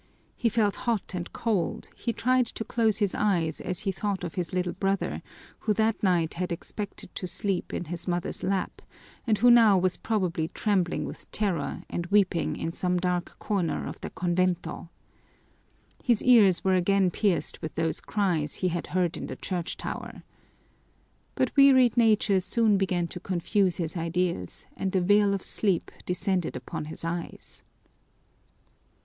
He felt hot and cold, he tried to close his eyes as he thought of his little brother who that night had expected to sleep in his mother's lap and who now was probably trembling with terror and weeping in some dark corner of the convento. His ears were again pierced with those cries he had heard in the church tower. But wearied nature soon began to confuse his ideas and the veil of sleep descended upon his eyes.